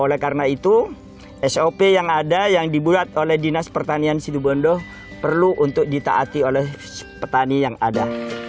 oleh karena itu sop yang ada yang dibuat oleh dinas pertanian situbondo perlu untuk ditaati oleh petani yang ada